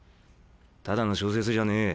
ただの小説じゃねえ